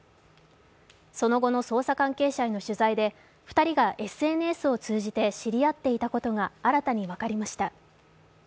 その後の捜査関係者への取材で２人がＳＮＳを通じて知り合っていたことが分かりました。